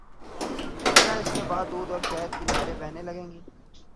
کیا اس کے بعد دودھ اور شہد کی نہریں بہنے لگیں گی؟